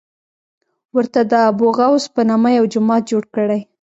ورته د ابوغوث په نامه یو جومات جوړ کړی.